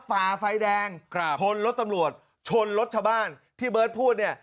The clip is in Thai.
ฝ่าไฟแดงครับชนรถตำรวจชนรถชาวบ้านที่เบิร์ตพูดเนี่ย